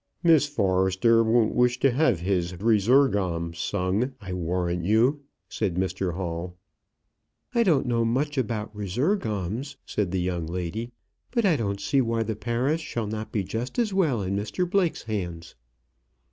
"Miss Forrester won't wish to have his resurgam sung, I warrant you," said Mr Hall. "I don't know much about resurgams," said the young lady, "but I don't see why the parish shall not be just as well in Mr Blake's hands."